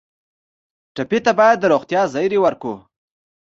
ټپي ته باید د روغتیا زېری ورکړو.